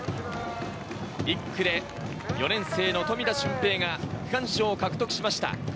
１区で４年生の富田峻平が区間賞を獲得しました。